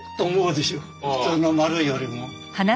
普通の円よりも。